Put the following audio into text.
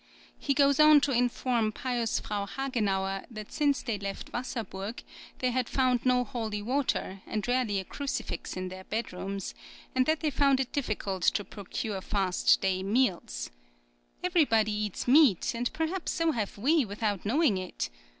He goes on to inform pious Frau Hagenauer, that since they left Wasser burg they had found no holy water, and rarely a crucifix in their bedrooms, and that they found it difficult to procure fast day meals: "Everybody eats meat, and perhaps so have we, without knowing it.